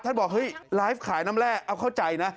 ท่านบอกไลฟ์ขายน้ำแร่เอาเข้าใจนะ